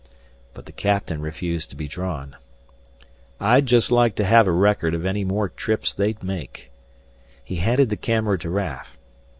But the captain refused to be drawn. "I'd just like to have a record of any more trips they make." He handed the camera to Raf.